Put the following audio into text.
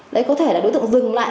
đấy có thể là đối tượng dừng lại